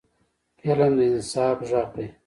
فلم د انصاف غږ دی